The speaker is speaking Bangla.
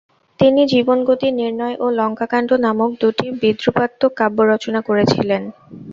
তিনি "জীবনগতি নির্ণয়" ও "লঙ্কাকান্ড" নামক দুটি বিদ্রুপাত্মক কাব্য রচনা করেছিলেন।